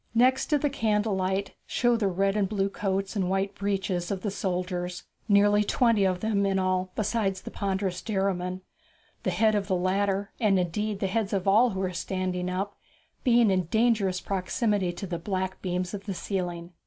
Next to the candle light show the red and blue coats and white breeches of the soldiers nearly twenty of them in all besides the ponderous Derriman the head of the latter, and, indeed, the heads of all who are standing up, being in dangerous proximity to the black beams of the ceiling.